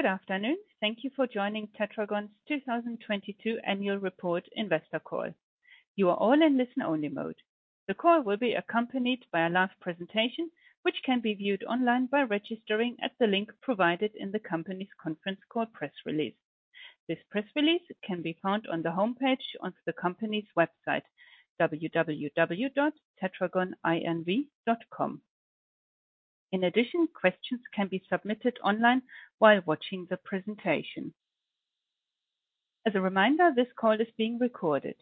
Good afternoon. Thank you for joining Tetragon's 2022 Annual Report Investor Call. You are all in listen-only mode. The call will be accompanied by a live presentation, which can be viewed online by registering at the link provided in the company's conference call press release. This press release can be found on the homepage of the company's website, www.tetragoninv.com. In addition, questions can be submitted online while watching the presentation. As a reminder, this call is being recorded.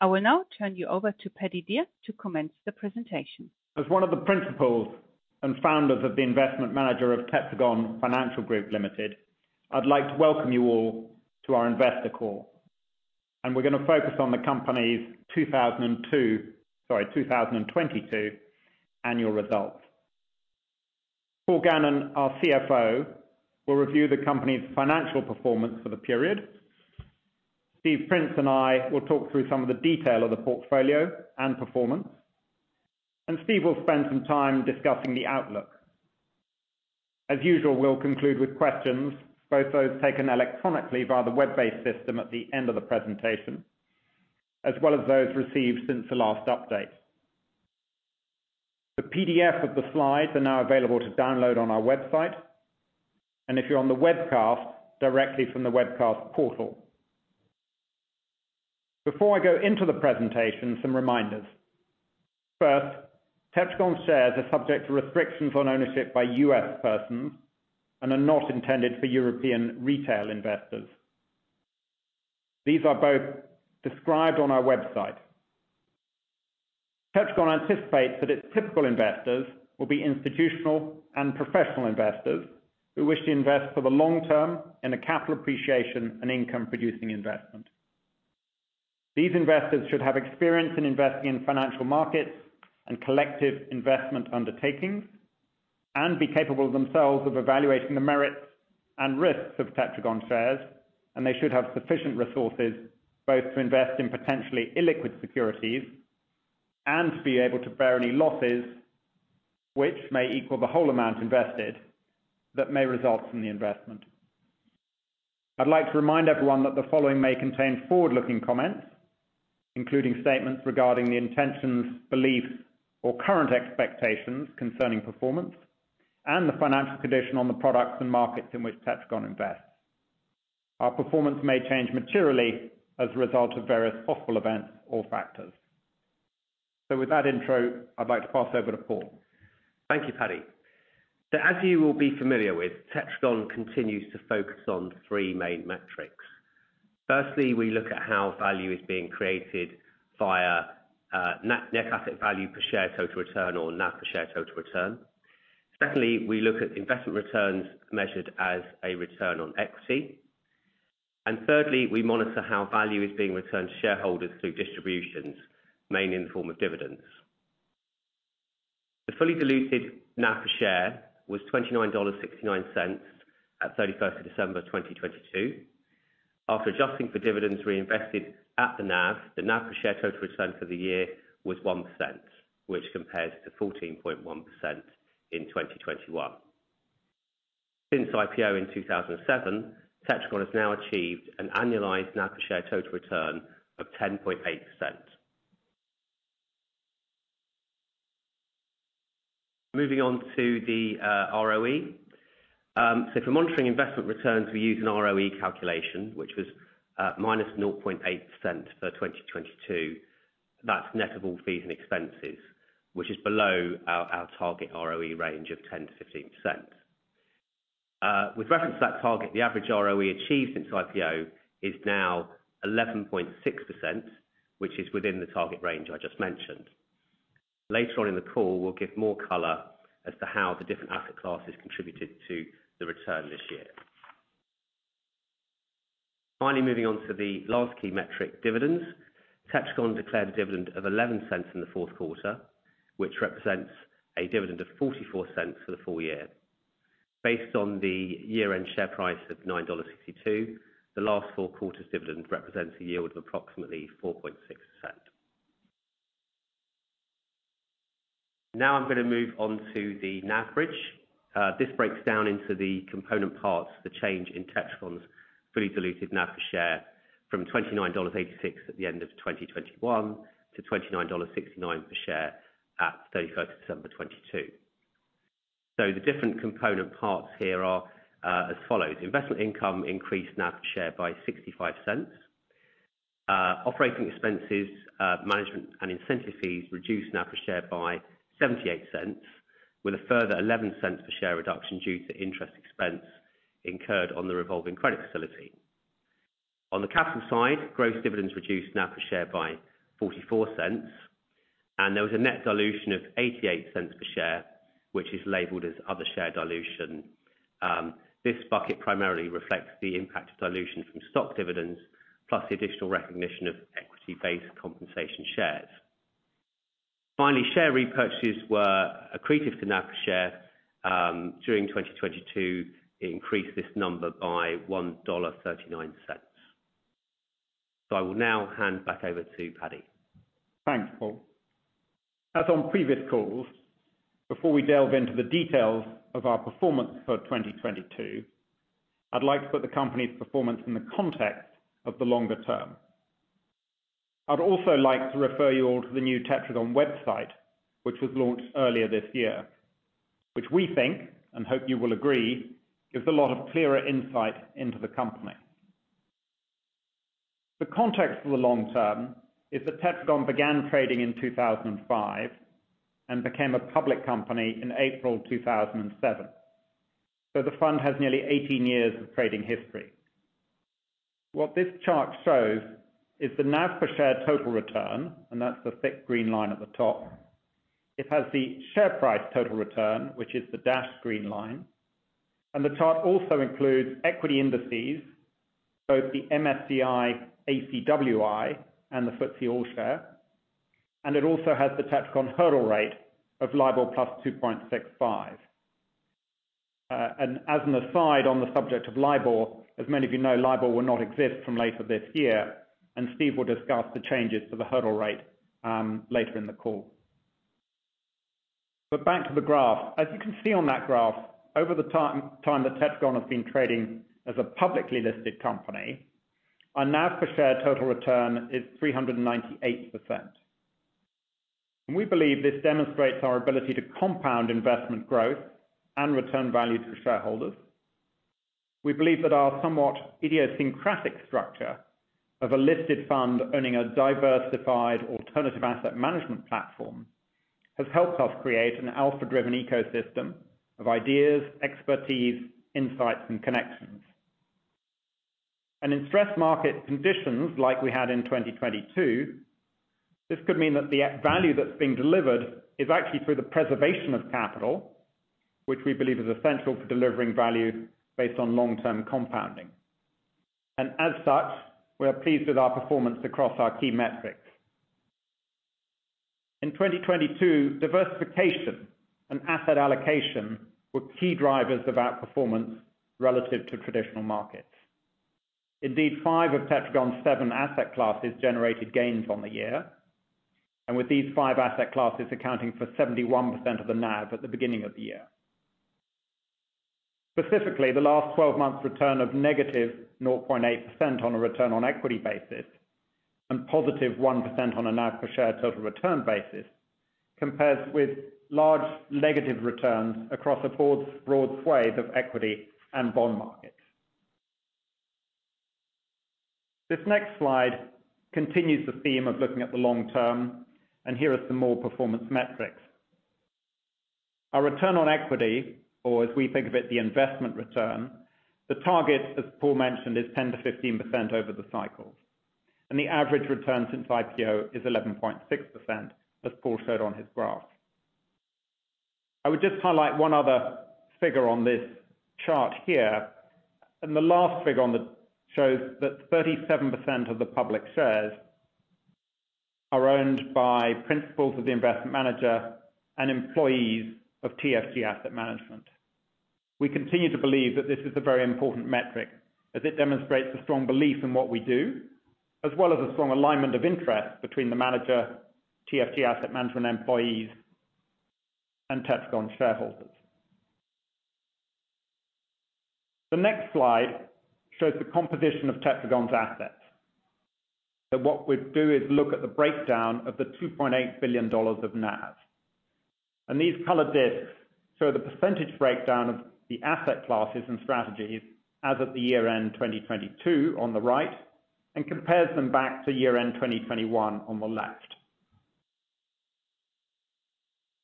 I will now turn you over to Paddy Dear to commence the presentation. As one of the principals and founders of the investment manager of Tetragon Financial Group Limited, I'd like to welcome you all to our Investor Call. We're gonna focus on the company's 2022 annual results. Paul Gannon, our CFO, will review the company's financial performance for the period. Steve Prince and I will talk through some of the detail of the portfolio and performance. Steve will spend some time discussing the outlook. As usual, we'll conclude with questions, both those taken electronically via the web-based system at the end of the presentation, as well as those received since the last update. The PDF of the slides are now available to download on our website. If you're on the webcast, directly from the webcast portal. Before I go into the presentation, some reminders. Tetragon shares are subject to restrictions on ownership by U.S. persons and are not intended for European retail investors. These are both described on our website. Tetragon anticipates that its typical investors will be institutional and professional investors who wish to invest for the long term in a capital appreciation and income-producing investment. These investors should have experience in investing in financial markets and collective investment undertakings and be capable themselves of evaluating the merits and risks of Tetragon shares, and they should have sufficient resources both to invest in potentially illiquid securities and to be able to bear any losses which may equal the whole amount invested that may result from the investment. I'd like to remind everyone that the following may contain forward-looking comments, including statements regarding the intentions, beliefs, or current expectations concerning performance and the financial condition on the products and markets in which Tetragon invests. Our performance may change materially as a result of various possible events or factors. With that intro, I'd like to pass over to Paul. Thank you, Paddy. As you will be familiar with, Tetragon continues to focus on three main metrics. Firstly, we look at how value is being created via net asset value per share total return or NAV per share total return. Secondly, we look at investment returns measured as a return on equity. Thirdly, we monitor how value is being returned to shareholders through distributions, mainly in the form of dividends. The fully diluted NAV per share was $29.69 at 31st of December 2022. After adjusting for dividends reinvested at the NAV, the NAV per share total return for the year was 1%, which compares to 14.1% in 2021. Since IPO in 2007, Tetragon has now achieved an annualized NAV per share total return of 10.8%. Moving on to the ROE. For monitoring investment returns, we use an ROE calculation, which was -0.8% for 2022. That's net of all fees and expenses, which is below our target ROE range of 10%-15%. With reference to that target, the average ROE achieved since IPO is now 11.6%, which is within the target range I just mentioned. Later on in the call, we'll give more color as to how the different asset classes contributed to the return this year. Moving on to the last key metric, dividends. Tetragon declared a dividend of $0.11 in the fourth quarter, which represents a dividend of $0.44 for the full year. Based on the year-end share price of $9.62, the last four quarters dividend represents a yield of approximately 4.6%. I'm gonna move on to the NAV bridge. This breaks down into the component parts, the change in Tetragon's fully diluted NAV per share from $29.86 at the end of 2021 to $29.69 per share at 31st of December 2022. The different component parts here are as follows: Investment income increased NAV per share by $0.65. Operating expenses, management and incentive fees reduced NAV per share by $0.78, with a further $0.11 per share reduction due to interest expense incurred on the revolving credit facility. On the capital side, gross dividends reduced NAV per share by $0.44. There was a net dilution of $0.88 per share, which is labeled as other share dilution. This bucket primarily reflects the impact of dilution from stock dividends, plus the additional recognition of equity-based compensation shares. Finally, share repurchases were accretive to NAV per share. During 2022, it increased this number by $1.39. I will now hand back over to Paddy. Thanks, Paul. As on previous calls, before we delve into the details of our performance for 2022, I'd like to put the company's performance in the context of the longer term. I'd also like to refer you all to the new Tetragon website, which was launched earlier this year. Which we think, and hope you will agree, gives a lot of clearer insight into the company. The context for the long term is that Tetragon began trading in 2005 and became a public company in April 2007. The fund has nearly 18 years of trading history. What this chart shows is the NAV per share total return, and that's the thick green line at the top. It has the share price total return, which is the dashed green line. The chart also includes equity indices, both the MSCI ACWI and the FTSE All-Share. It also has the Tetragon hurdle rate of LIBOR +2.65%. As an aside on the subject of LIBOR, as many of you know, LIBOR will not exist from later this year, and Steve will discuss the changes to the hurdle rate later in the call. Back to the graph. As you can see on that graph, over the time that Tetragon has been trading as a publicly listed company, our NAV per share total return is 398%. We believe this demonstrates our ability to compound investment growth and return value to shareholders. We believe that our somewhat idiosyncratic structure of a listed fund owning a diversified alternative asset management platform, has helped us create an alpha-driven ecosystem of ideas, expertise, insights, and connections. In stress market conditions like we had in 2022, this could mean that the value that's being delivered is actually through the preservation of capital, which we believe is essential for delivering value based on long-term compounding. As such, we are pleased with our performance across our key metrics. In 2022, diversification and asset allocation were key drivers of outperformance relative to traditional markets. Indeed, five of Tetragon's seven asset classes generated gains on the year. With these five asset classes accounting for 71% of the NAV at the beginning of the year. Specifically, the last 12 months' return of negative 0.8% on a return on equity basis and positive 1% on a NAV per share total return basis compares with large negative returns across a broad swath of equity and bond markets. This next slide continues the theme of looking at the long-term, and here are some more performance metrics. Our return on equity, or as we think of it, the investment return, the target, as Paul mentioned, is 10%-15% over the cycle. The average return since IPO is 11.6%, as Paul showed on his graph. I would just highlight one other figure on this chart here. The last figure on that shows that 37% of the public shares are owned by principals of the investment manager and employees of TFG Asset Management. We continue to believe that this is a very important metric as it demonstrates a strong belief in what we do, as well as a strong alignment of interest between the manager, TFG Asset Management employees, and Tetragon shareholders. The next slide shows the composition of Tetragon's assets. What we do is look at the breakdown of the $2.8 billion of NAV. These colored disks show the percentage breakdown of the asset classes and strategies as of the year-end 2022 on the right, and compares them back to year-end 2021 on the left.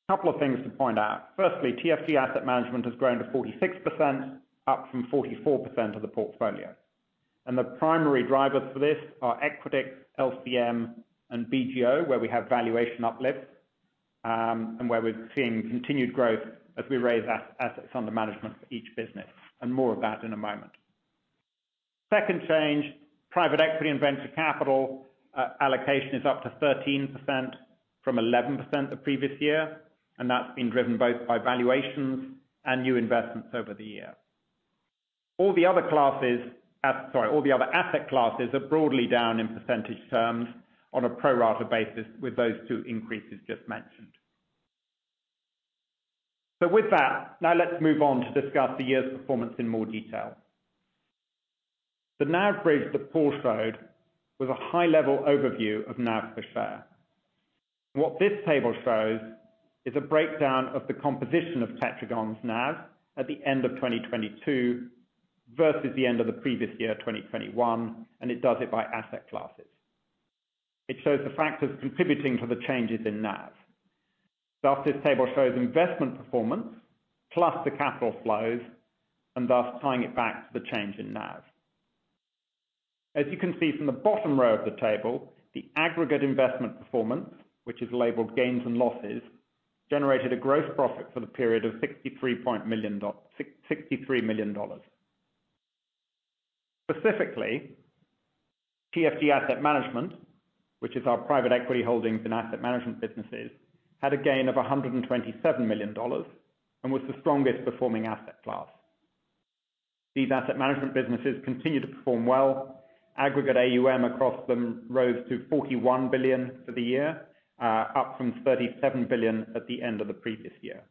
A couple of things to point out. Firstly, TFG Asset Management has grown to 46%, up from 44% of the portfolio. The primary drivers for this are Equitix, LCM, and BGO, where we have valuation uplift, and where we're seeing continued growth as we raise assets under management for each business. More of that in a moment. Second change, private equity and venture capital, allocation is up to 13% from 11% the previous year, and that's been driven both by valuations and new investments over the year. All the other asset classes are broadly down in percentage terms on a pro rata basis with those two increases just mentioned. With that, now let's move on to discuss the year's performance in more detail. The NAV bridge that Paul showed was a high-level overview of NAV per share. What this table shows is a breakdown of the composition of Tetragon's NAV at the end of 2022 versus the end of the previous year, 2021, and it does it by asset classes. It shows the factors contributing to the changes in NAV. Thus this table shows investment performance plus the capital flows, and thus tying it back to the change in NAV. As you can see from the bottom row of the table, the aggregate investment performance, which is labeled gains and losses, generated a gross profit for the period of $63 million. Specifically, TFG Asset Management, which is our private equity holdings and asset management businesses, had a gain of $127 million and was the strongest performing asset class. These asset management businesses continue to perform well. Aggregate AUM across them rose to $41 billion for the year, up from $37 billion at the end of the previous year.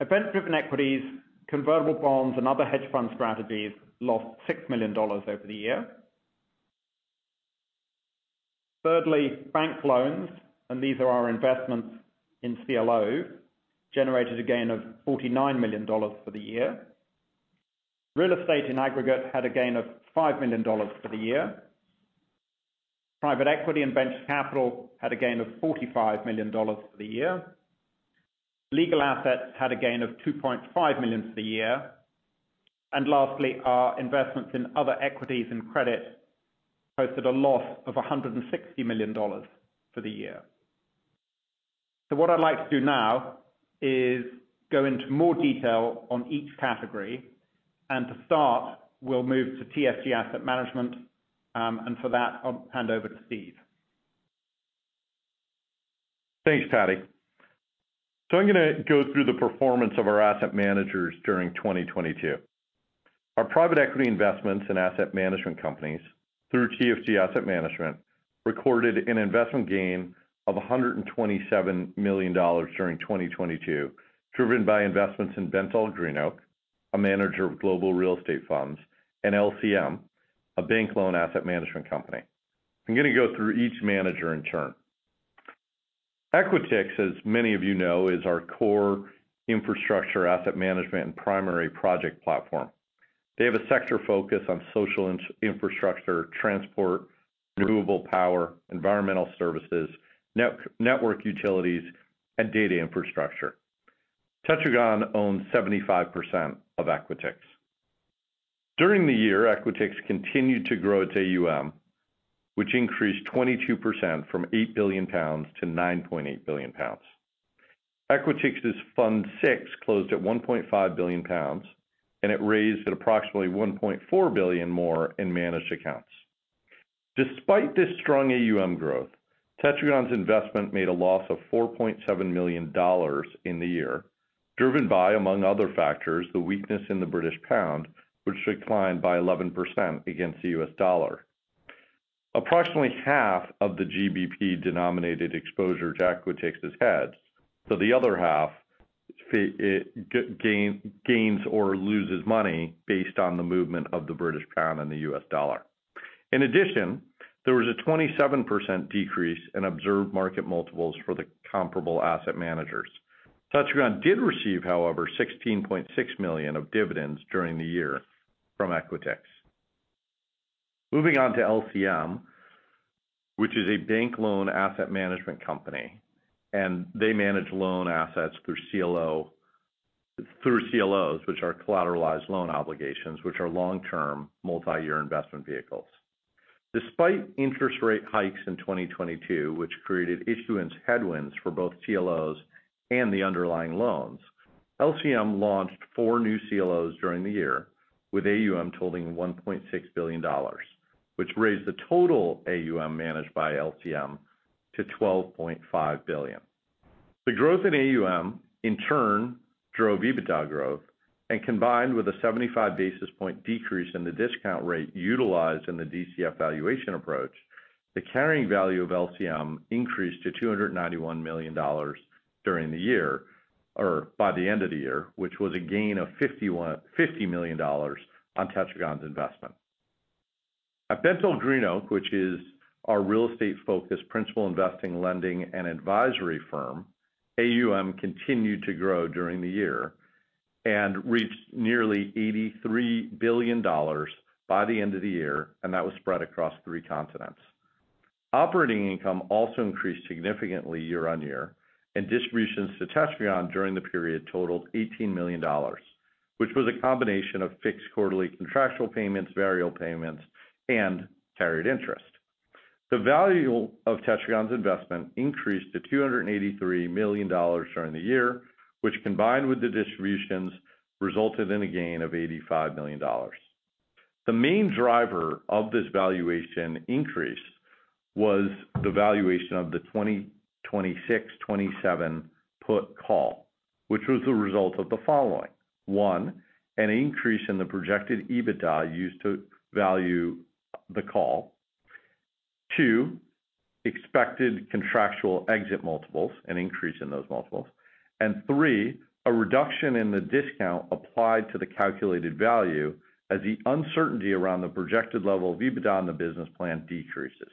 Event-driven equities, convertible bonds and other hedge fund strategies lost $6 million over the year. Thirdly, bank loans, and these are our investments in CLO, generated a gain of $49 million for the year. Real estate in aggregate had a gain of $5 million for the year. Private equity and venture capital had a gain of $45 million for the year. Legal assets had a gain of $2.5 million for the year. Lastly, our investments in other equities and credit posted a loss of $160 million for the year. What I'd like to do now is go into more detail on each category, and to start, we'll move to TFG Asset Management, and for that, I'll hand over to Steve. Thanks, Paddy. I'm gonna go through the performance of our asset managers during 2022. Our private equity investments and asset management companies through TFG Asset Management recorded an investment gain of $127 million during 2022, driven by investments in BentallGreenOak, a manager of global real estate funds, and LCM, a bank loan asset management company. I'm gonna go through each manager in turn. Equitix, as many of you know, is our core infrastructure asset management and primary project platform. They have a sector focus on social infrastructure, transport, renewable power, environmental services, network utilities, and data infrastructure. Tetragon owns 75% of Equitix. During the year, Equitix continued to grow its AUM, which increased 22% from 8 billion pounds to 9.8 billion pounds. Equitix Fund VI closed at 1.5 billion pounds, and it raised at approximately 1.4 billion more in managed accounts. Despite this strong AUM growth, Tetragon's investment made a loss of $4.7 million in the year, driven by, among other factors, the weakness in the British pound, which declined by 11% against the U.S. dollar. Approximately half of the GBP-denominated exposure to Equitix has had, so the other half it gains or loses money based on the movement of the British GBP and the U.S. dollar. In addition, there was a 27% decrease in observed market multiples for the comparable asset managers. Tetragon did receive, however, $16.6 million of dividends during the year from Equitix. Moving on to LCM, which is a bank loan asset management company, and they manage loan assets through CLOs, which are collateralized loan obligations, which are long-term multi-year investment vehicles. Despite interest rate hikes in 2022, which created issuance headwinds for both CLOs and the underlying loans, LCM launched four new CLOs during the year with AUM totaling $1.6 billion, which raised the total AUM managed by LCM to $12.5 billion. The growth in AUM in turn drove EBITDA growth, and combined with a 75 basis point decrease in the discount rate utilized in the DCF valuation approach, the carrying value of LCM increased to $291 million during the year or by the end of the year, which was a gain of $50 million on Tetragon's investment. At BentallGreenOak, which is our real estate-focused principal investing, lending, and advisory firm, AUM continued to grow during the year and reached nearly $83 billion by the end of the year, that was spread across three continents. Operating income also increased significantly year-over-year. Distributions to Tetragon during the period totaled $18 million, which was a combination of fixed quarterly contractual payments, variable payments, and carried interest. The value of Tetragon's investment increased to $283 million during the year, which combined with the distributions, resulted in a gain of $85 million. The main driver of this valuation increase was the valuation of the 2026, 2027 put call, which was the result of the following. One, an increase in the projected EBITDA used to value the call. Two, expected contractual exit multiples, an increase in those multiples. Three, a reduction in the discount applied to the calculated value as the uncertainty around the projected level of EBITDA in the business plan decreases.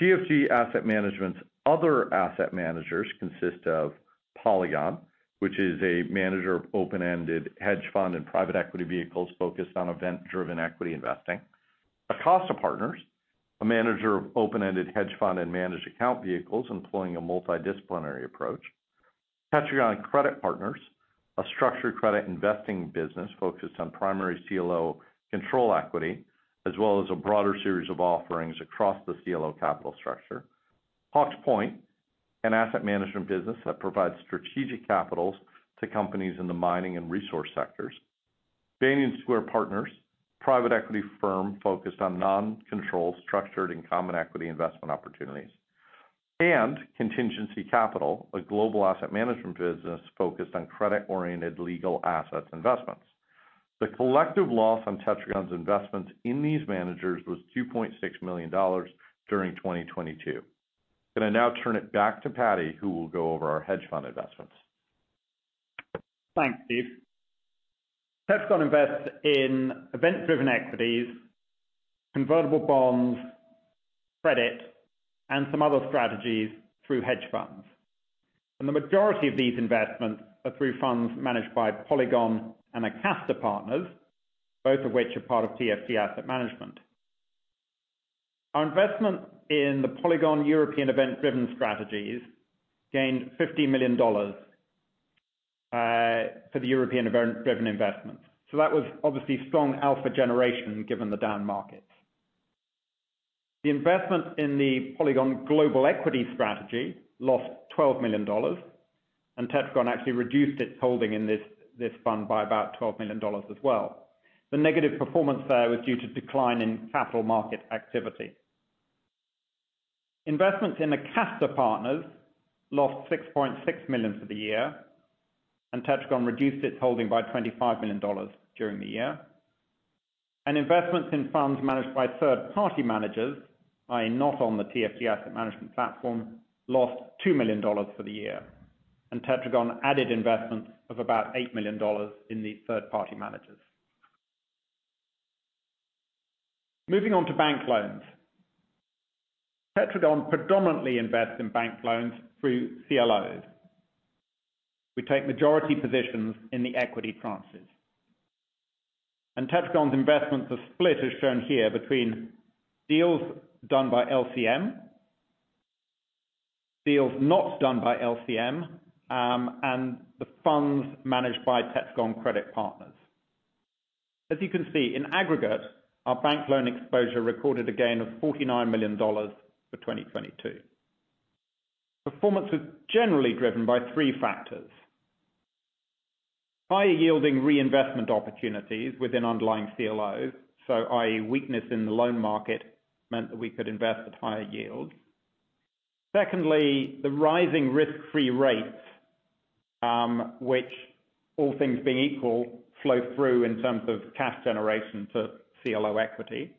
TFG Asset Management's other asset managers consist of Polygon, which is a manager of open-ended hedge fund and private equity vehicles focused on event-driven equity investing. Acasta Partners, a manager of open-ended hedge fund and managed account vehicles employing a multidisciplinary approach. Tetragon Credit Partners, a structured credit investing business focused on primary CLO control equity, as well as a broader series of offerings across the CLO capital structure. Hawke's Point, an asset management business that provides strategic capitals to companies in the mining and resource sectors. Banyan Square Partners, private equity firm focused on non-controlled, structured, and common equity investment opportunities. Contingency Capital, a global asset management business focused on credit-oriented legal assets investments. The collective loss on Tetragon's investments in these managers was $2.6 million during 2022. Gonna now turn it back to Paddy, who will go over our hedge fund investments. Thanks, Steve. Tetragon invests in event-driven equities, convertible bonds, credit, and some other strategies through hedge funds. The majority of these investments are through funds managed by Polygon and Acasta Partners, both of which are part of TFG Asset Management. Our investment in the Polygon European event-driven strategies gained $50 million for the European event-driven investments. That was obviously strong alpha generation given the down markets. The investment in the Polygon global equity strategy lost $12 million, and Tetragon actually reduced its holding in this fund by about $12 million as well. The negative performance there was due to decline in capital market activity. Investments in Acasta Partners lost $6.6 million for the year, and Tetragon reduced its holding by $25 million during the year. Investments in funds managed by third-party managers, i.e., not on the TFG Asset Management platform, lost $2 million for the year. Tetragon added investments of about $8 million in these third-party managers. Moving on to bank loans. Tetragon predominantly invests in bank loans through CLOs. We take majority positions in the equity tranches. Tetragon's investments are split, as shown here, between deals done by LCM, deals not done by LCM, and the funds managed by Tetragon Credit Partners. As you can see, in aggregate, our bank loan exposure recorded a gain of $49 million for 2022. Performance was generally driven by three factors. Higher yielding reinvestment opportunities within underlying CLOs, i.e. weakness in the loan market meant that we could invest at higher yields. Secondly, the rising risk-free rates, which all things being equal, flow through in terms of cash generation to CLO equity.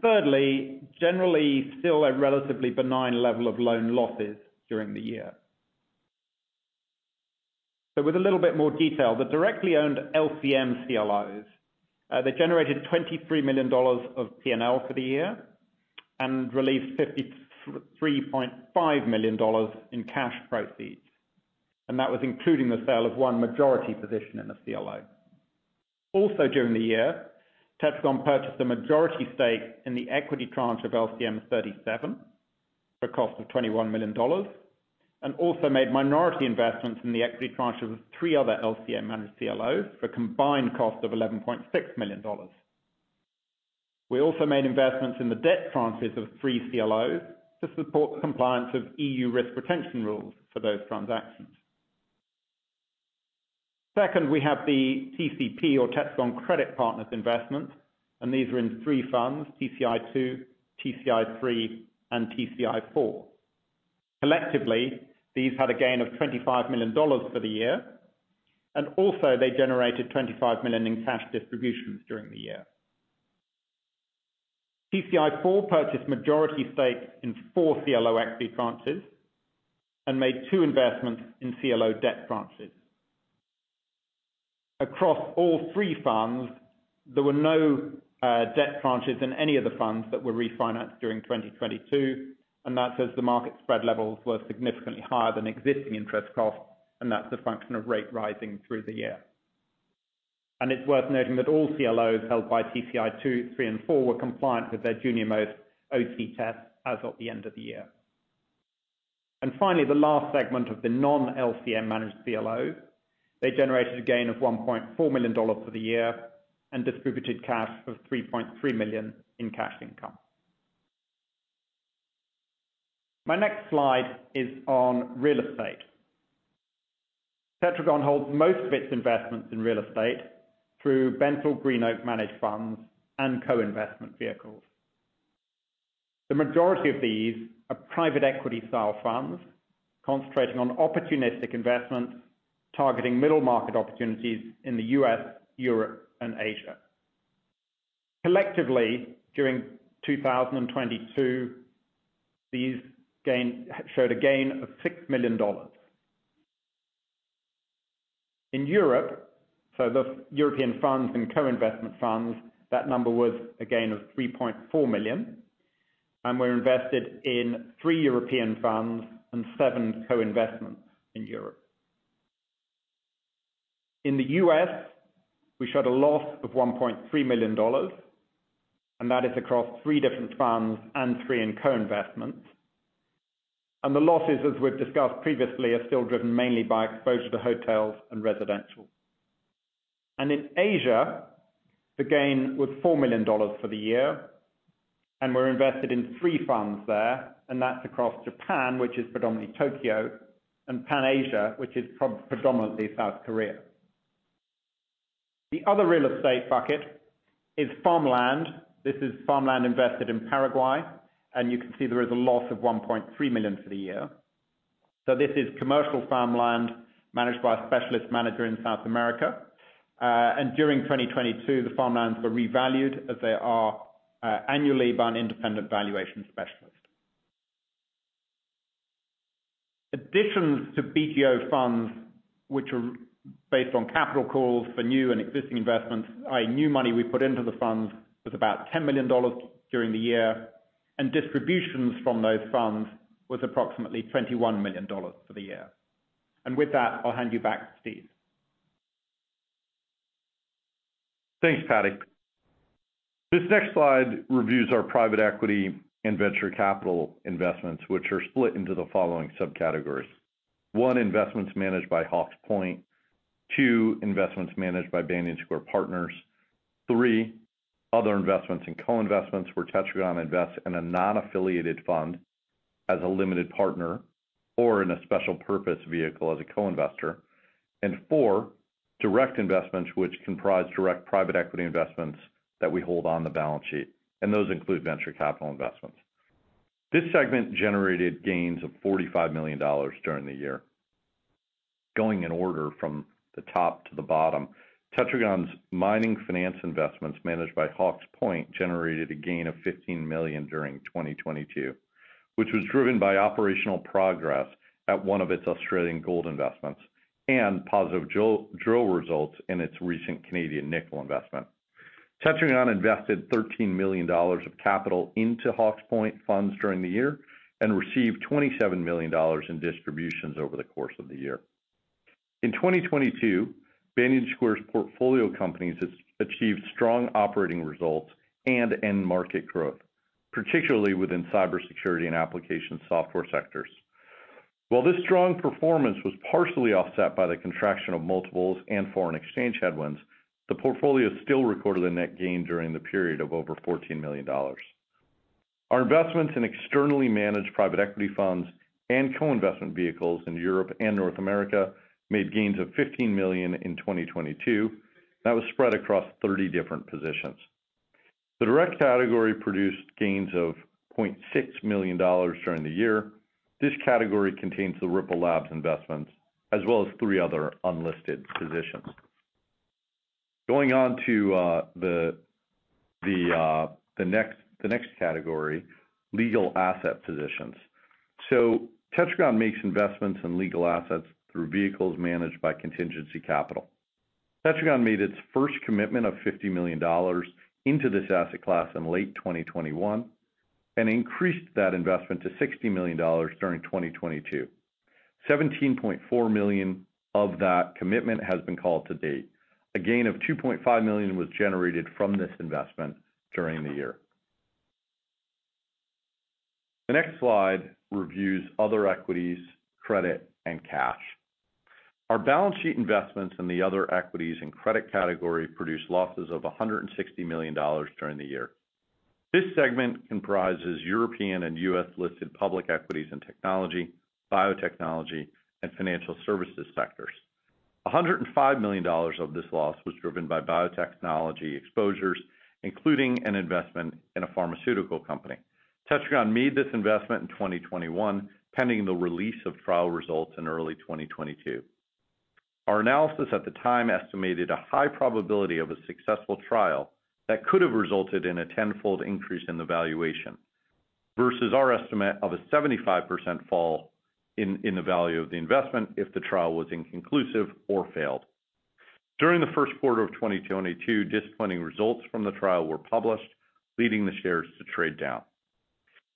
Thirdly, generally still a relatively benign level of loan losses during the year. With a little bit more detail, the directly owned LCM CLOs, they generated $23 million of P&L for the year and released $53.5 million in cash proceeds. That was including the sale of one majority position in the CLO. Also during the year, Tetragon purchased a majority stake in the equity tranche of LCM 37 for a cost of $21 million. Also made minority investments in the equity tranches of three other LCM and CLOs for a combined cost of $11.6 million. We also made investments in the debt tranches of 3 CLOs to support the compliance of EU risk retention rules for those transactions. Second, we have the TCP or Tetragon Credit Partners investment, and these were in three funds, TCI II, TCI III, and TCI IV. Collectively, these had a gain of $25 million for the year, and also they generated $25 million in cash distributions during the year. TCI IV purchased majority stakes in four CLO equity tranches and made two investments in CLO debt tranches. Across all three funds, there were no debt tranches in any of the funds that were refinanced during 2022, and that's as the market spread levels were significantly higher than existing interest costs, and that's a function of rate rising through the year. It's worth noting that all CLOs held by TCI II, III, and IV were compliant with their junior-most Overcollateralization Test as of the end of the year. Finally, the last segment of the non-LCM managed CLO, they generated a gain of $1.4 million for the year and distributed cash of $3.3 million in cash income. My next slide is on real estate. Tetragon holds most of its investments in real estate through BentallGreenOak managed funds and co-investment vehicles. The majority of these are private equity style funds concentrating on opportunistic investments, targeting middle market opportunities in the U.S., Europe, and Asia. Collectively, during 2022, these showed a gain of $6 million. In Europe, the European funds and co-investment funds, that number was a gain of $3.4 million. We're invested in three European funds and seven co-investments in Europe. In the U.S., we showed a loss of $1.3 million, that is across three different funds and three in co-investments. The losses, as we've discussed previously, are still driven mainly by exposure to hotels and residential. In Asia, the gain was $4 million for the year. We're invested in three funds there. That's across Japan, which is predominantly Tokyo, and Pan Asia, which is predominantly South Korea. The other real estate bucket is farmland. This is farmland invested in Paraguay, and you can see there is a loss of $1.3 million for the year. This is commercial farmland managed by a specialist manager in South America. During 2022, the farmlands were revalued as they are annually by an independent valuation specialist. Additions to BGO funds, which are based on capital calls for new and existing investments, new money we put into the funds, was about $10 million during the year, and distributions from those funds was approximately $21 million for the year. With that, I'll hand you back to Steve. Thanks, Paddy. This next slide reviews our private equity and venture capital investments, which are split into the following subcategories. One, investments managed by Hawke's Point. Two, investments managed by Banyan Square Partners. Three, other investments and co-investments where Tetragon invests in a non-affiliated fund as a limited partner or in a special purpose vehicle as a co-investor. Four, direct investments, which comprise direct private equity investments that we hold on the balance sheet, and those include venture capital investments. This segment generated gains of $45 million during the year. Going in order from the top to the bottom, Tetragon's mining finance investments managed by Hawke's Point generated a gain of $15 million during 2022, which was driven by operational progress at one of its Australian gold investments and positive drill results in its recent Canadian nickel investment. Tetragon invested $13 million of capital into Hawke's Point funds during the year and received $27 million in distributions over the course of the year. In 2022, Banyan Square's portfolio companies has achieved strong operating results and end market growth, particularly within cybersecurity and application software sectors. While this strong performance was partially offset by the contraction of multiples and foreign exchange headwinds, the portfolio still recorded a net gain during the period of over $14 million. Our investments in externally managed private equity funds and co-investment vehicles in Europe and North America made gains of $15 million in 2022. That was spread across 30 different positions. The direct category produced gains of $0.6 million during the year. This category contains the Ripple Labs investments, as well as three other unlisted positions. Going on to the next category, legal asset positions. Tetragon makes investments in legal assets through vehicles managed by Contingency Capital. Tetragon made its first commitment of $50 million into this asset class in late 2021 and increased that investment to $60 million during 2022. $17.4 million of that commitment has been called to date. A gain of $2.5 million was generated from this investment during the year. The next slide reviews other equities, credit, and cash. Our balance sheet investments in the other equities and credit category produced losses of $160 million during the year. This segment comprises European and U.S.-listed public equities in technology, biotechnology, and financial services sectors. $105 million of this loss was driven by biotechnology exposures, including an investment in a pharmaceutical company. Tetragon made this investment in 2021, pending the release of trial results in early 2022. Our analysis at the time estimated a high probability of a successful trial that could have resulted in a tenfold increase in the valuation versus our estimate of a 75% fall in the value of the investment if the trial was inconclusive or failed. During the first quarter of 2022, disappointing results from the trial were published, leading the shares to trade down.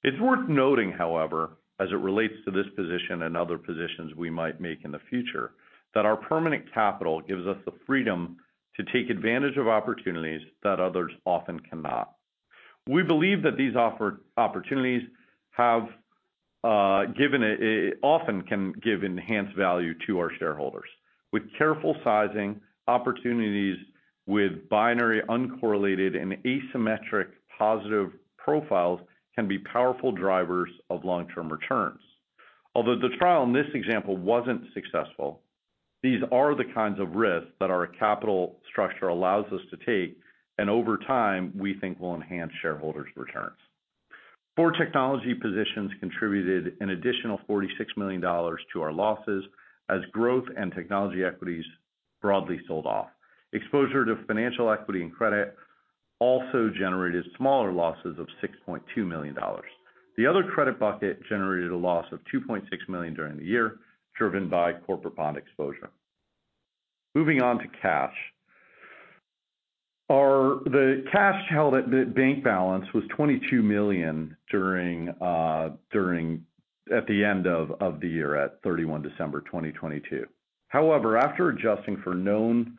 It's worth noting, however, as it relates to this position and other positions we might make in the future, that our permanent capital gives us the freedom to take advantage of opportunities that others often cannot. We believe that these offer opportunities have given often can give enhanced value to our shareholders. With careful sizing, opportunities with binary, uncorrelated, and asymmetric positive profiles can be powerful drivers of long-term returns. Although the trial in this example wasn't successful, these are the kinds of risks that our capital structure allows us to take, and over time, we think will enhance shareholders' returns. Four technology positions contributed an additional $46 million to our losses as growth and technology equities broadly sold off. Exposure to financial equity and credit also generated smaller losses of $6.2 million. The other credit bucket generated a loss of $2.6 million during the year, driven by corporate bond exposure. Moving on to cash. The cash held at the bank balance was $22 million at the end of the year at December 31, 2022. After adjusting for known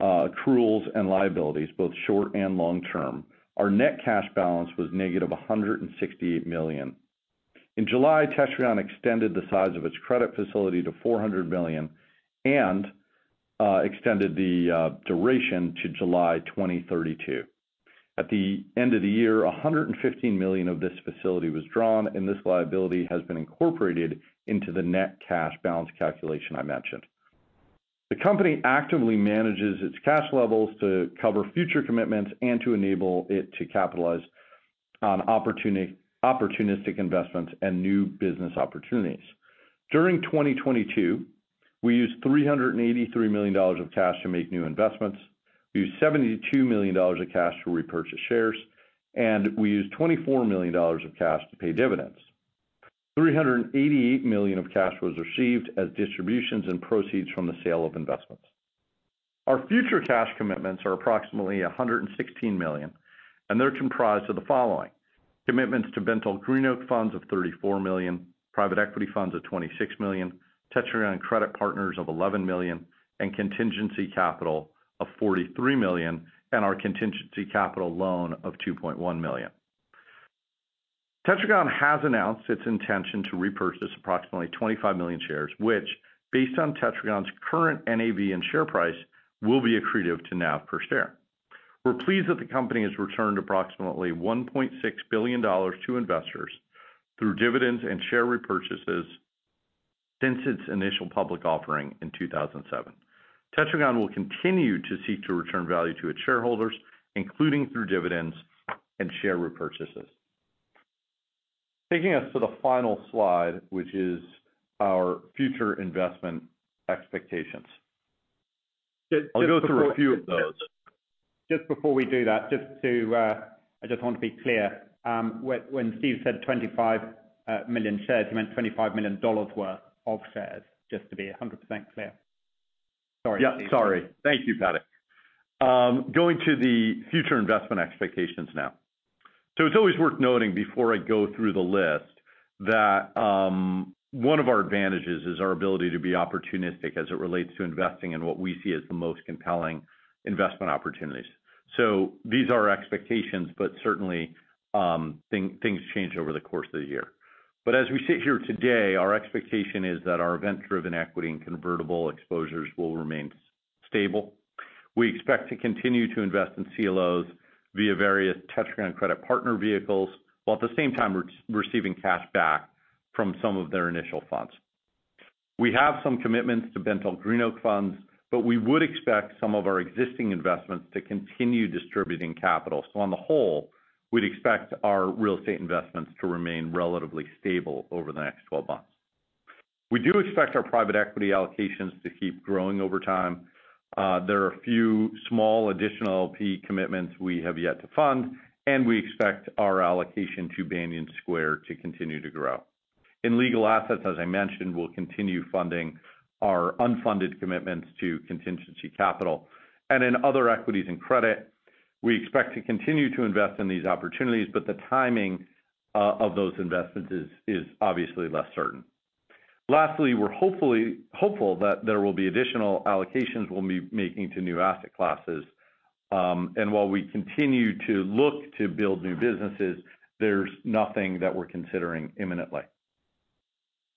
accruals and liabilities, both short and long-term, our net cash balance was negative $168 million. In July, Tetragon extended the size of its credit facility to $400 million extended the duration to July 2032. At the end of the year, $115 million of this facility was drawn, this liability has been incorporated into the net cash balance calculation I mentioned. The company actively manages its cash levels to cover future commitments and to enable it to capitalize on opportunistic investments and new business opportunities. During 2022, we used $383 million of cash to make new investments. We used $72 million of cash to repurchase shares, and we used $24 million of cash to pay dividends. $388 million of cash was received as distributions and proceeds from the sale of investments. Our future cash commitments are approximately $116 million, and they're comprised of the following: commitments to BentallGreenOak funds of $34 million, private equity funds of $26 million, Tetragon Credit Partners of $11 million, and Contingency Capital of $43 million, and our Contingency Capital loan of $2.1 million. Tetragon has announced its intention to repurchase approximately 25 million shares, which, based on Tetragon's current NAV and share price, will be accretive to NAV per share. We're pleased that the company has returned approximately $1.6 billion to investors through dividends and share repurchases since its initial public offering in 2007. Tetragon will continue to seek to return value to its shareholders, including through dividends and share repurchases. Taking us to the final slide, which is our future investment expectations. I'll go through a few of those. Just before we do that, I just want to be clear. When Steve said 25 million shares, he meant $25 million worth of shares, just to be 100% clear. Sorry. Yeah. Sorry. Thank you, Paddy. Going to the future investment expectations now. It's always worth noting before I go through the list that one of our advantages is our ability to be opportunistic as it relates to investing in what we see as the most compelling investment opportunities. These are our expectations, but certainly, things change over the course of the year. As we sit here today, our expectation is that our event-driven equity and convertible exposures will remain stable. We expect to continue to invest in CLOs via various Tetragon Credit Partners vehicles, while at the same time we're receiving cash back from some of their initial funds. We have some commitments to BentallGreenOak funds, but we would expect some of our existing investments to continue distributing capital. On the whole, we'd expect our real estate investments to remain relatively stable over the next 12 months. We do expect our private equity allocations to keep growing over time. There are a few small additional LP commitments we have yet to fund, and we expect our allocation to Banyan Square to continue to grow. In legal assets, as I mentioned, we'll continue funding our unfunded commitments to Contingency Capital. In other equities and credit, we expect to continue to invest in these opportunities, but the timing of those investments is obviously less certain. Lastly, we're hopeful that there will be additional allocations we'll be making to new asset classes. While we continue to look to build new businesses, there's nothing that we're considering imminently.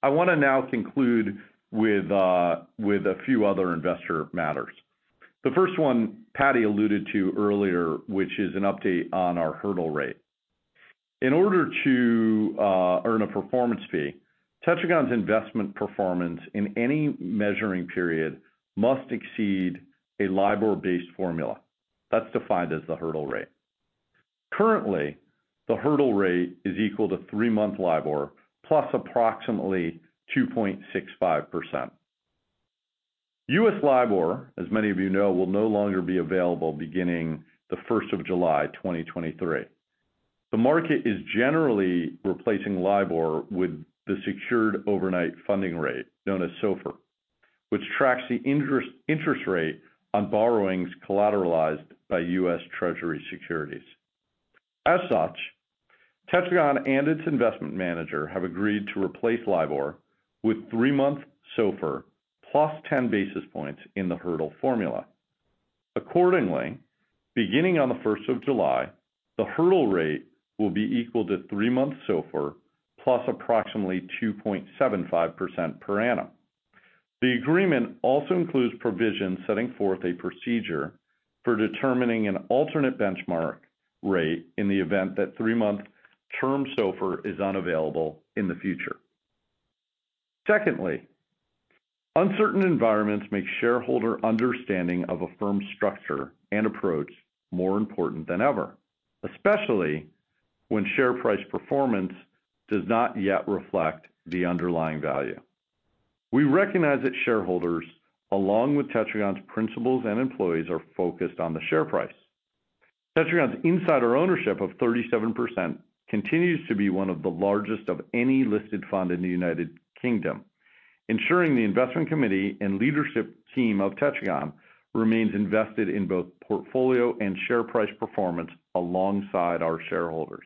I wanna now conclude with a few other investor matters. The first one Paddy alluded to earlier, which is an update on our hurdle rate. In order to earn a performance fee, Tetragon's investment performance in any measuring period must exceed a LIBOR-based formula. That's defined as the hurdle rate. Currently, the hurdle rate is equal to three-month LIBOR plus approximately 2.65%. U.S. LIBOR, as many of you know, will no longer be available beginning the first of July 2023. The market is generally replacing LIBOR with the secured overnight funding rate, known as SOFR, which tracks the interest rate on borrowings collateralized by U.S. Treasury securities. As such, Tetragon and its investment manager have agreed to replace LIBOR with three-month SOFR plus 10 basis points in the hurdle formula. Accordingly, beginning on the 1st of July, the hurdle rate will be equal to three month SOFR plus approximately 2.75% per annum. The agreement also includes provisions setting forth a procedure for determining an alternate benchmark rate in the event that three month term SOFR is unavailable in the future. Secondly, uncertain environments make shareholder understanding of a firm's structure and approach more important than ever, especially when share price performance does not yet reflect the underlying value. We recognize that shareholders, along with Tetragon's principals and employees, are focused on the share price. Tetragon's insider ownership of 37% continues to be one of the largest of any listed fund in the U.K., ensuring the investment committee and leadership team of Tetragon remains invested in both portfolio and share price performance alongside our shareholders.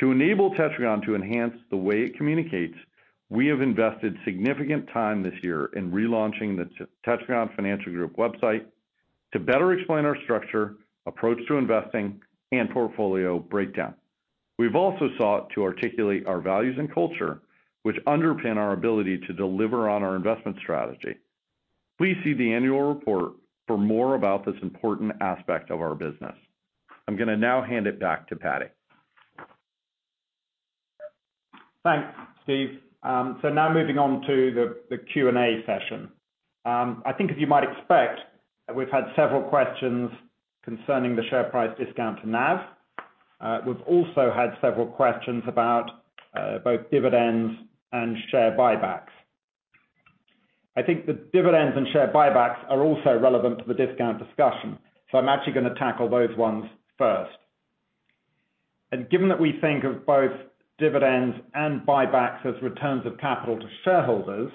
To enable Tetragon to enhance the way it communicates, we have invested significant time this year in relaunching the Tetragon Financial Group website to better explain our structure, approach to investing, and portfolio breakdown. We've also sought to articulate our values and culture, which underpin our ability to deliver on our investment strategy. Please see the annual report for more about this important aspect of our business. I'm gonna now hand it back to Paddy. Thanks, Steve. Moving on to the Q&A session. I think as you might expect, we've had several questions concerning the share price discount to NAV. We've also had several questions about both dividends and share buybacks. I think the dividends and share buybacks are also relevant to the discount discussion, I'm actually gonna tackle those ones first. Given that we think of both dividends and buybacks as returns of capital to shareholders,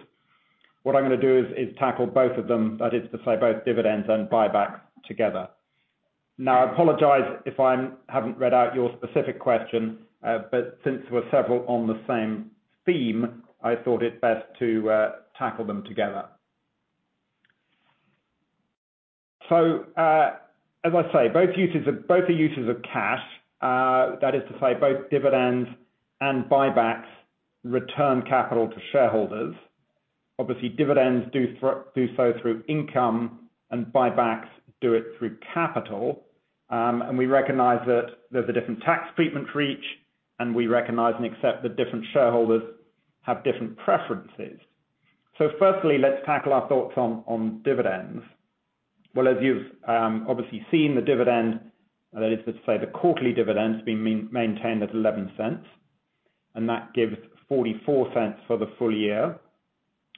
what I'm gonna do is tackle both of them, that is to say both dividends and buybacks together. I apologize if I haven't read out your specific question, but since there were several on the same theme, I thought it best to tackle them together. As I say, both are users of cash. That is to say both dividends and buybacks return capital to shareholders. Obviously, dividends do so through income and buybacks do it through capital. We recognize that there's a different tax treatment for each, and we recognize and accept that different shareholders have different preferences. Firstly, let's tackle our thoughts on dividends. Well, as you've obviously seen the dividend, that is to say the quarterly dividend has been maintained at $0.11, that gives $0.44 for the full year.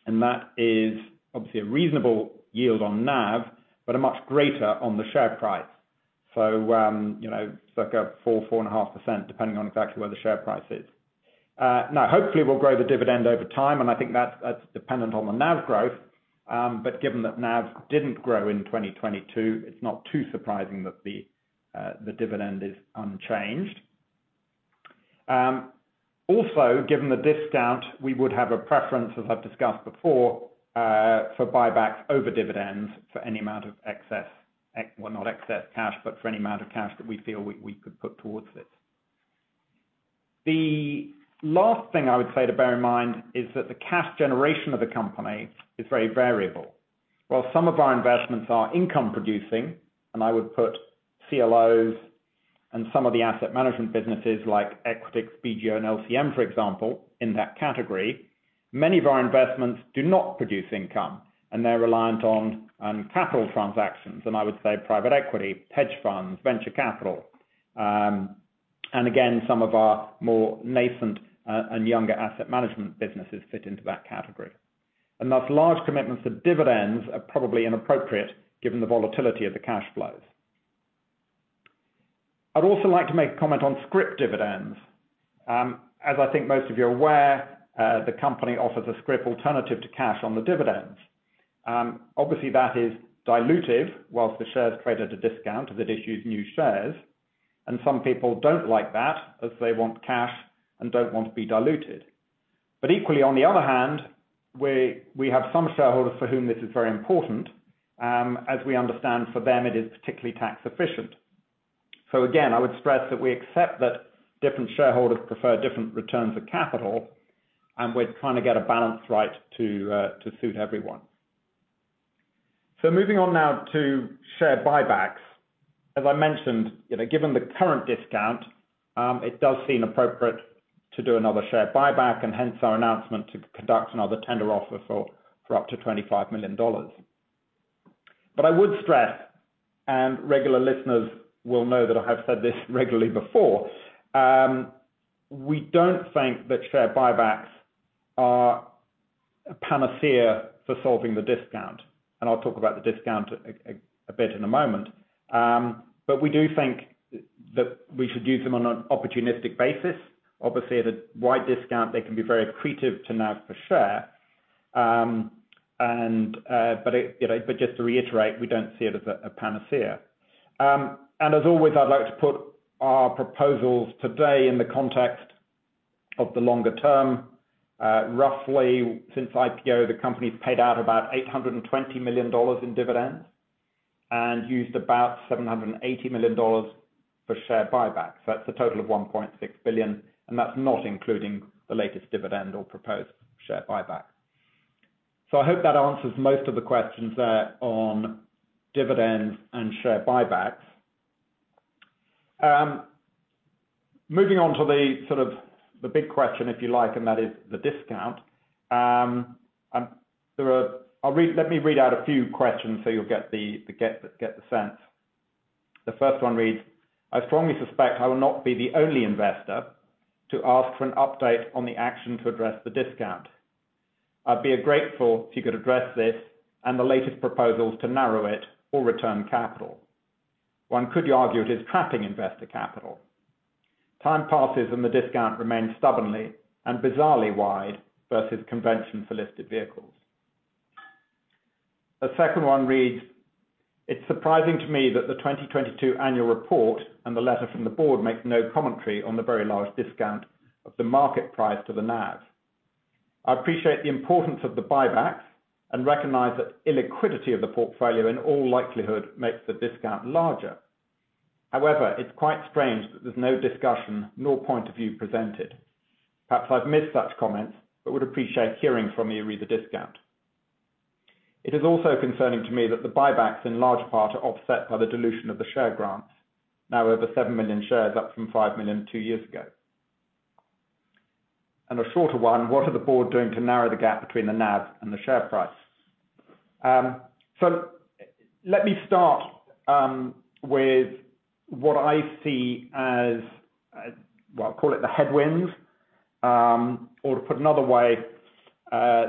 That is obviously a reasonable yield on NAV, but a much greater on the share price. You know, it's like a 4%-4.5%, depending on exactly where the share price is. Now, hopefully we'll grow the dividend over time, I think that's dependent on the NAV growth. Given that NAV didn't grow in 2022, it's not too surprising that the dividend is unchanged. Given the discount, we would have a preference, as I've discussed before, for buybacks over dividends for any amount of cash that we feel we could put towards it. The last thing I would say to bear in mind is that the cash generation of the company is very variable. While some of our investments are income producing, and I would put CLOs and some of the asset management businesses like Equitix, BGO and LCM, for example, in that category, many of our investments do not produce income, and they're reliant on capital transactions, and I would say private equity, hedge funds, venture capital. Again, some of our more nascent and younger asset management businesses fit into that category. Thus, large commitments to dividends are probably inappropriate given the volatility of the cash flows. I'd also like to make a comment on scrip dividends. As I think most of you are aware, the company offers a scrip alternative to cash on the dividends. Obviously that is dilutive whilst the shares trade at a discount if it issues new shares, and some people don't like that as they want cash and don't want to be diluted. Equally, on the other hand, we have some shareholders for whom this is very important, as we understand for them it is particularly tax efficient. Again, I would stress that we accept that different shareholders prefer different returns of capital, and we're trying to get a balance right to suit everyone. Moving on now to share buybacks. As I mentioned, you know, given the current discount, it does seem appropriate to do another share buyback and hence our announcement to conduct another tender offer for up to $25 million. I would stress, and regular listeners will know that I have said this regularly before, we don't think that share buybacks are a panacea for solving the discount, and I'll talk about the discount a bit in a moment. We do think that we should use them on an opportunistic basis. Obviously at a wide discount they can be very accretive to NAV per share. It, you know, just to reiterate, we don't see it as a panacea. As always I'd like to put our proposals today in the context of the longer term. Roughly since IPO, the company's paid out about $820 million in dividends and used about $780 million for share buybacks. That's a total of $1.6 billion, and that's not including the latest dividend or proposed share buyback. I hope that answers most of the questions there on dividends and share buybacks. Moving on to the sort of the big question, if you like, and that is the discount. There are, let me read out a few questions so you'll get the sense. The first one reads, "I strongly suspect I will not be the only investor to ask for an update on the action to address the discount. I'd be grateful if you could address this and the latest proposals to narrow it or return capital. One could argue it is trapping investor capital. Time passes and the discount remains stubbornly and bizarrely wide versus convention for listed vehicles." The second one reads, "It's surprising to me that the 2022 annual report and the letter from the board makes no commentary on the very large discount of the market price to the NAV. I appreciate the importance of the buybacks and recognize that illiquidity of the portfolio in all likelihood makes the discount larger. However, it's quite strange that there's no discussion nor point of view presented. Perhaps I've missed such comments, but would appreciate hearing from you re the discount. It is also concerning to me that the buybacks in large part are offset by the dilution of the share grants, now over 7 million shares, up from 5 million two years ago. A shorter one, what are the board doing to narrow the gap between the NAV and the share price? Let me start with what I see as, well, I'll call it the headwinds, or to put another way,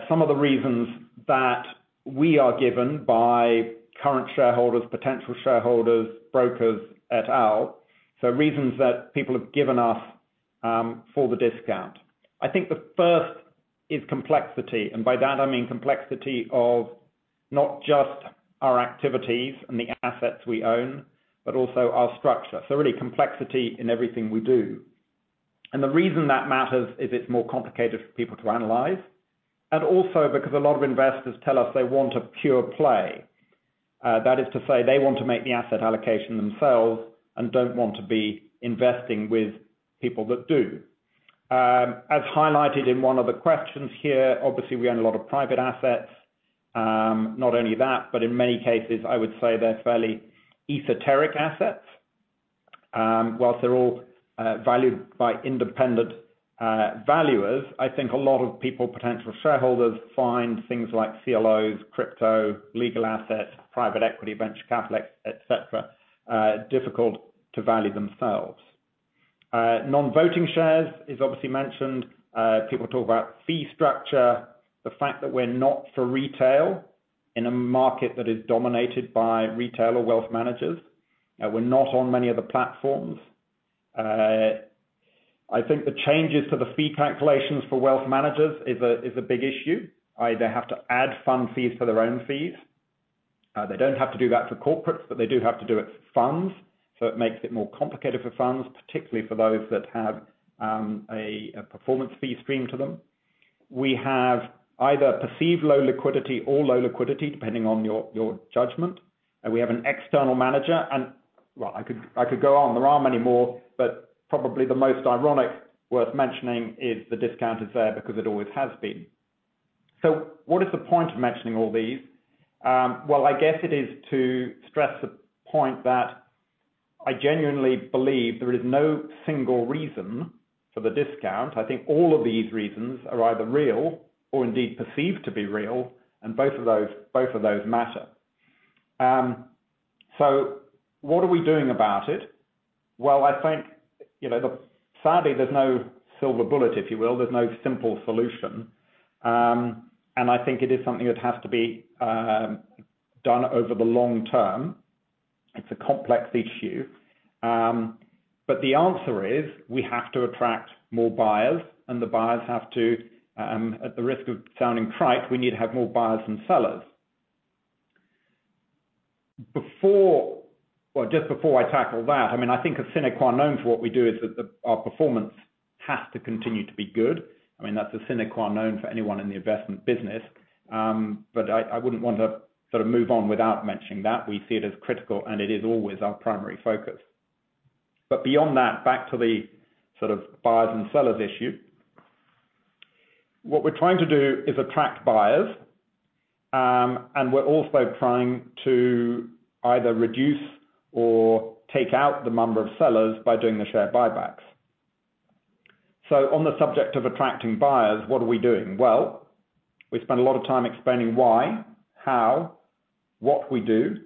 some of the reasons that we are given by current shareholders, potential shareholders, brokers et al. Reasons that people have given us for the discount. I think the first is complexity. By that I mean complexity of not just our activities and the assets we own, but also our structure. Really complexity in everything we do. The reason that matters is it's more complicated for people to analyze, and also because a lot of investors tell us they want a pure play. That is to say they want to make the asset allocation themselves and don't want to be investing with people that do. As highlighted in one of the questions here, obviously we own a lot of private assets. Not only that, but in many cases, I would say they're fairly esoteric assets. Whilst they're all valued by independent valuers, I think a lot of people, potential shareholders, find things like CLOs, crypto, legal assets, private equity, venture capital, et cetera, difficult to value themselves. Non-voting shares is obviously mentioned. People talk about fee structure, the fact that we're not for retail in a market that is dominated by retail or wealth managers. We're not on many of the platforms. I think the changes to the fee calculations for wealth managers is a big issue. Either have to add fund fees for their own fees. They don't have to do that for corporates, but they do have to do it for funds. It makes it more complicated for funds, particularly for those that have a performance fee stream to them. We have either perceived low liquidity or low liquidity, depending on your judgment. We have an external manager and. Well, I could go on. There are many more, but probably the most ironic worth mentioning is the discount is there because it always has been. What is the point of mentioning all these? Well, I guess it is to stress the point that I genuinely believe there is no single reason for the discount. I think all of these reasons are either real or indeed perceived to be real, and both of those matter. What are we doing about it? Well, I think, you know, sadly, there's no silver bullet, if you will. There's no simple solution. And I think it is something that has to be done over the long term. It's a complex issue. The answer is we have to attract more buyers, and the buyers have to, at the risk of sounding trite, we need to have more buyers than sellers. Well, just before I tackle that, I think a sine qua non for what we do is that our performance has to continue to be good. That's a sine qua non for anyone in the investment business. I wouldn't want to sort of move on without mentioning that. We see it as critical, and it is always our primary focus. Beyond that, back to the sort of buyers and sellers issue. What we're trying to do is attract buyers, and we're also trying to either reduce or take out the number of sellers by doing the share buybacks. On the subject of attracting buyers, what are we doing? Well, we spend a lot of time explaining why, how, what we do.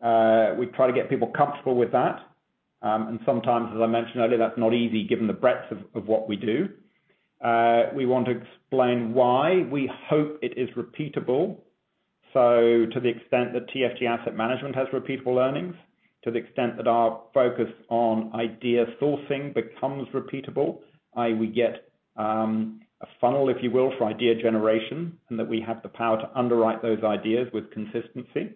We try to get people comfortable with that. Sometimes, as I mentioned earlier, that's not easy given the breadth of what we do. We want to explain why we hope it is repeatable. To the extent that TFG Asset Management has repeatable earnings, to the extent that our focus on idea sourcing becomes repeatable. I.e. we get a funnel, if you will, for idea generation, and that we have the power to underwrite those ideas with consistency.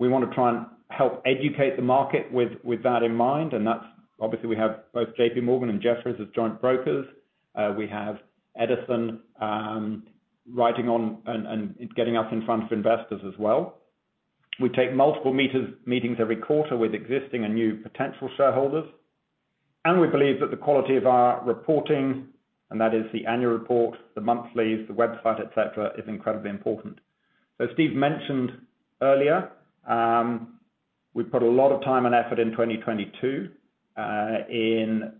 We wanna try and help educate the market with that in mind, and that's obviously we have both JPMorgan and Jefferies as joint brokers. We have Edison writing on and getting us in front of investors as well. We take multiple meetings every quarter with existing and new potential shareholders. We believe that the quality of our reporting, and that is the annual report, the monthlies, the website, et cetera, is incredibly important. Steve mentioned earlier, we put a lot of time and effort in 2022 in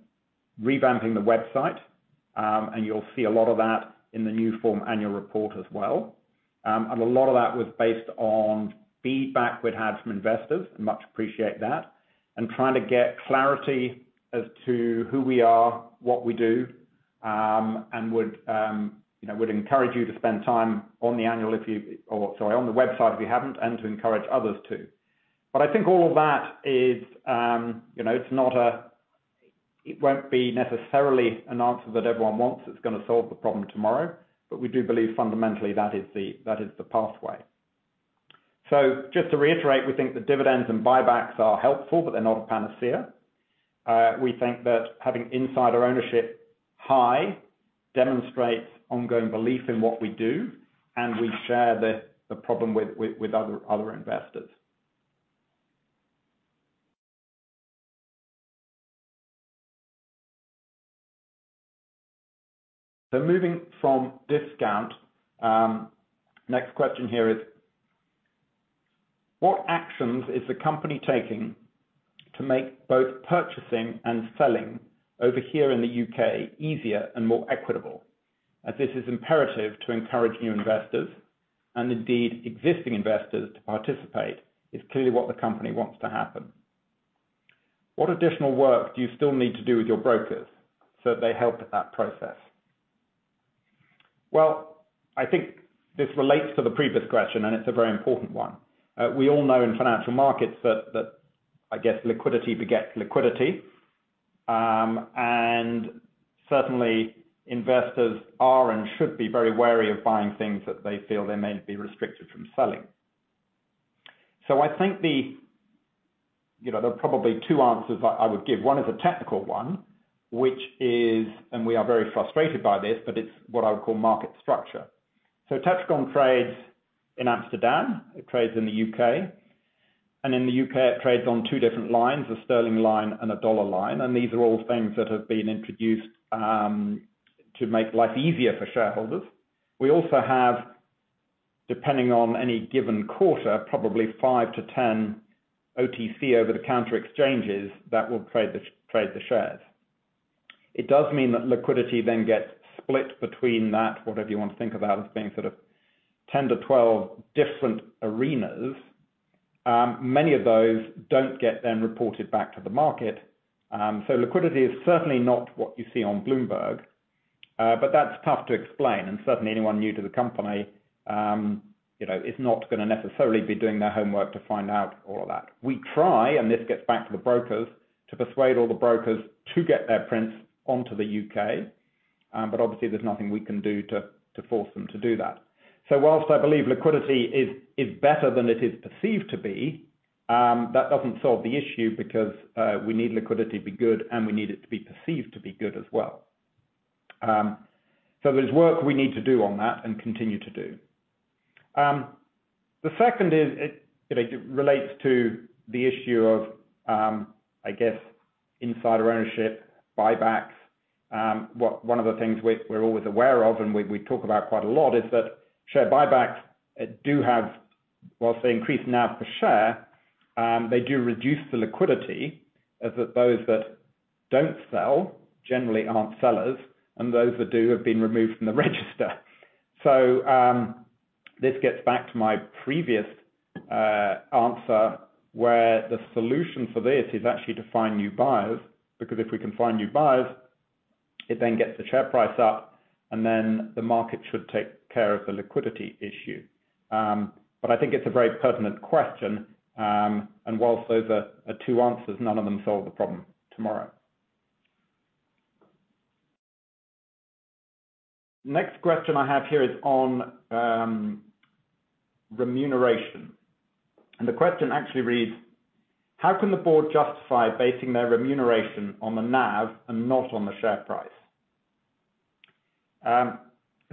revamping the website, and you'll see a lot of that in the new form annual report as well. A lot of that was based on feedback we'd had from investors, and much appreciate that. Trying to get clarity as to who we are, what we do, and would, you know, would encourage you to spend time on the website if you haven't, and to encourage others to. I think all of that is, you know, it won't be necessarily an answer that everyone wants that's gonna solve the problem tomorrow. We do believe fundamentally that is the pathway. Just to reiterate, we think that dividends and buybacks are helpful, but they're not a panacea. We think that having insider ownership high demonstrates ongoing belief in what we do, and we share the problem with other investors. Moving from discount, next question here is: What actions is the company taking to make both purchasing and selling over here in the U.K. easier and more equitable, as this is imperative to encourage new investors and indeed existing investors to participate, is clearly what the company wants to happen. What additional work do you still need to do with your brokers, so they help that process? I think this relates to the previous question, and it's a very important one. We all know in financial markets that, I guess, liquidity begets liquidity. Certainly investors are and should be very wary of buying things that they feel they may be restricted from selling. I think, you know, there are probably two answers I would give. One is a technical one, which is, we are very frustrated by this, it's what I would call market structure. Tetragon trades in Amsterdam, it trades in the U.K., in the U.K. it trades on two different lines, a sterling line and a dollar line, these are all things that have been introduced to make life easier for shareholders. We also have, depending on any given quarter, probably five to 10 OTC over-the-counter exchanges that will trade the shares. It does mean that liquidity then gets split between that, whatever you want to think about as being sort of 10-12 different arenas. Many of those don't get then reported back to the market. Liquidity is certainly not what you see on Bloomberg. That's tough to explain. Certainly anyone new to the company, you know, is not gonna necessarily be doing their homework to find out all of that. We try, and this gets back to the brokers, to persuade all the brokers to get their prints onto the U.K. Obviously there's nothing we can do to force them to do that. Whilst I believe liquidity is better than it is perceived to be, that doesn't solve the issue because we need liquidity to be good, and we need it to be perceived to be good as well. There's work we need to do on that and continue to do. The second it relates to the issue of, I guess, insider ownership, buybacks. One of the things we're always aware of and we talk about quite a lot is that share buybacks do have, whilst they increase NAV per share, they do reduce the liquidity as that those that don't sell generally aren't sellers, and those that do have been removed from the register. This gets back to my previous answer where the solution for this is actually to find new buyers, because if we can find new buyers, it then gets the share price up, and then the market should take care of the liquidity issue. I think it's a very pertinent question. Whilst those are two answers, none of them solve the problem tomorrow. Next question I have here is on remuneration. The question actually reads: How can the board justify basing their remuneration on the NAV and not on the share price?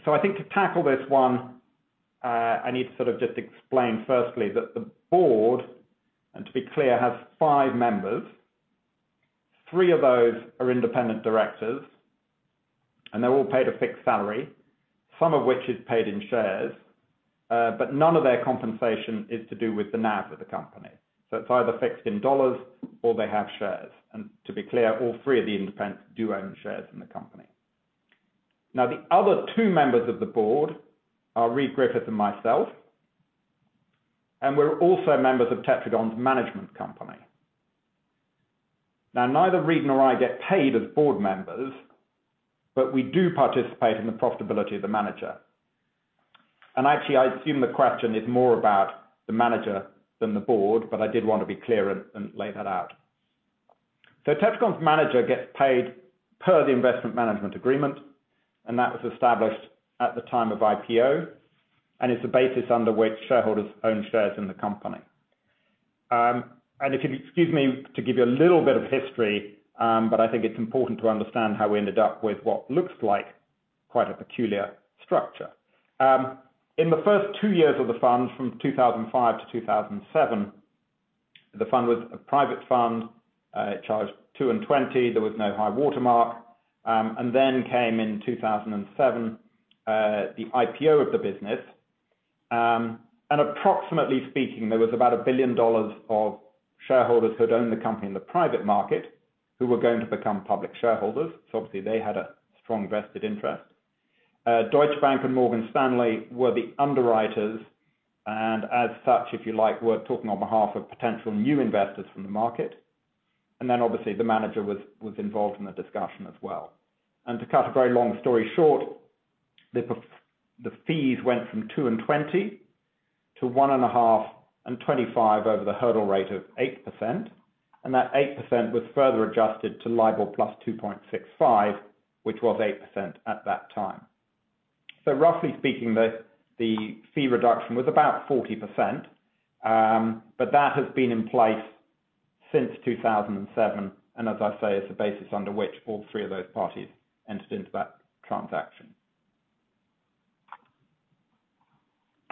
I think to tackle this one, I need to sort of just explain firstly that the board, and to be clear, has five members. Three of those are independent directors, and they're all paid a fixed salary, some of which is paid in shares. None of their compensation is to do with the NAV of the company. It's either fixed in dollars or they have shares. To be clear, all three of the independents do own shares in the company. The other two members of the board are Reade Griffith and myself, and we're also members of Tetragon's management company. Neither Reade nor I get paid as board members, but we do participate in the profitability of the manager. Actually, I assume the question is more about the manager than the board, but I did want to be clear and lay that out. Tetragon's manager gets paid per the investment management agreement, and that was established at the time of IPO, and it's the basis under which shareholders own shares in the company. If you excuse me to give you a little bit of history, I think it's important to understand how we ended up with what looks like quite a peculiar structure. In the first two years of the fund, from 2005-2007, the fund was a private fund. It charged 2% and 20%. There was no high-water mark. Came in 2007, the IPO of the business. Approximately speaking, there was about $1 billion of shareholders who had owned the company in the private market who were going to become public shareholders. Obviously they had a strong vested interest. Deutsche Bank and Morgan Stanley were the underwriters and as such, if you like, were talking on behalf of potential new investors from the market. Obviously the manager was involved in the discussion as well. To cut a very long story short, the fees went from 2% and 20% to 1.5% And 25% over the hurdle rate of 8%, and that 8% was further adjusted to LIBOR +2.65%, which was 8% at that time. Roughly speaking, the fee reduction was about 40%. That has been in place since 2007, as I say, it's the basis under which all three of those parties entered into that transaction.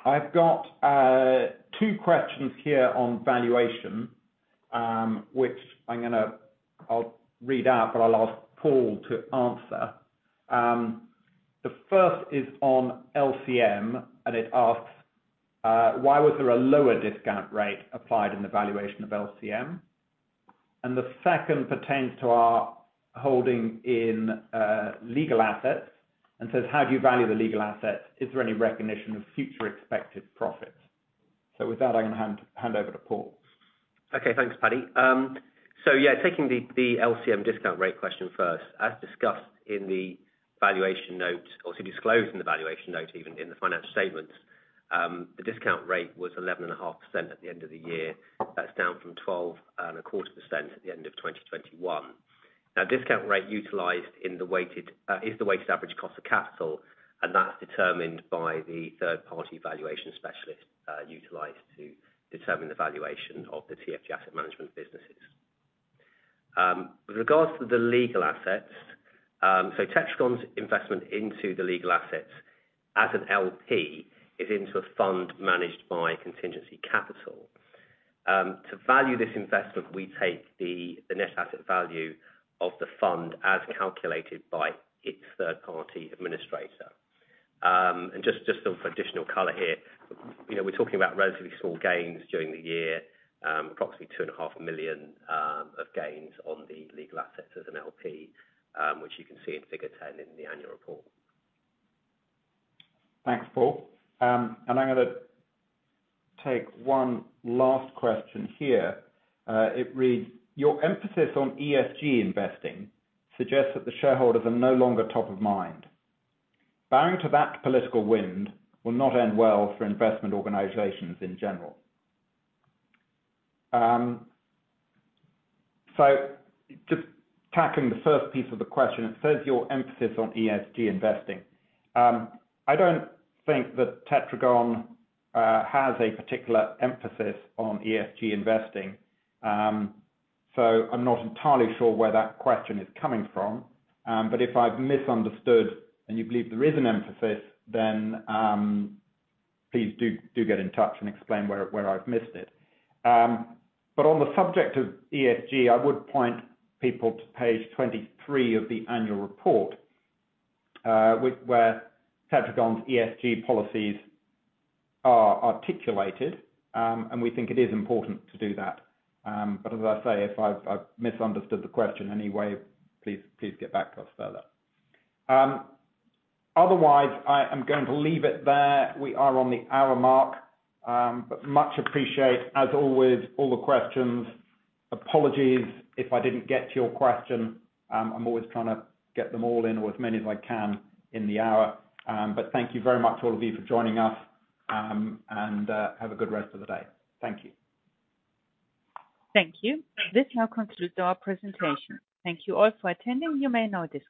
I've got two questions here on valuation, which I'll read out, but I'll ask Paul to answer. The first is on LCM. It asks, "Why was there a lower discount rate applied in the valuation of LCM?" The second pertains to our holding in legal assets and says, "How do you value the legal assets? Is there any recognition of future expected profits?" With that, I'm gonna hand over to Paul. Okay. Thanks, Paddy. Yeah, taking the LCM discount rate question first. As discussed in the valuation note or to disclose in the valuation note, even in the financial statements, the discount rate was 11.5% at the end of the year. That's down from 12.25% at the end of 2021. Now, discount rate utilized is the Weighted Average Cost of Capital, and that's determined by the third-party valuation specialist utilized to determine the valuation of the TFG Asset Management businesses. With regards to the legal assets, Tetragon's investment into the legal assets as an LP is into a fund managed by Contingency Capital. To value this investment, we take the net asset value of the fund as calculated by its third-party administrator. Just some additional color here. You know, we're talking about relatively small gains during the year, approximately $2.5 million, of gains on the legal assets as an LP, which you can see in figure 10 in the annual report. Thanks, Paul. I'm gonna take one last question here. It reads, "Your emphasis on ESG investing suggests that the shareholders are no longer top of mind. Bowing to that political wind will not end well for investment organizations in general." Just tackling the first piece of the question. It says, your emphasis on ESG investing. I don't think that Tetragon has a particular emphasis on ESG investing. I'm not entirely sure where that question is coming from. If I've misunderstood and you believe there is an emphasis, then, please do get in touch and explain where I've missed it. On the subject of ESG, I would point people to page 23 of the annual report, where Tetragon's ESG policies are articulated. We think it is important to do that. As I say, if I've misunderstood the question in any way, please get back to us further. Otherwise, I'm going to leave it there. We are on the hour mark. Much appreciate, as always, all the questions. Apologies if I didn't get to your question. I'm always trying to get them all in or as many as I can in the hour. Thank you very much, all of you, for joining us, and have a good rest of the day. Thank you. Thank you. This now concludes our presentation. Thank you all for attending. You may now disconnect.